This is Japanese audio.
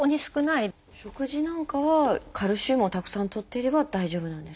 食事なんかはカルシウムをたくさんとっていれば大丈夫なんですか？